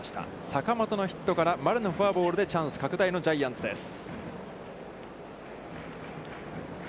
坂本のヒットから丸のフォアボールでチャンス拡大のジャイアンツです。